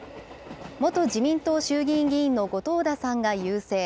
元自民党衆議院議員の後藤田さんが優勢。